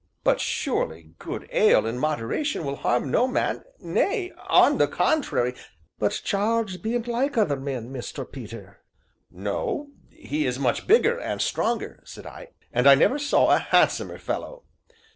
"But surely good ale, in moderation, will harm no man nay, on the contrary " "But Jarge bean't like other men, Mr. Peter!" "No; he is much bigger, and stronger!" said I, "and I never saw a handsomer fellow."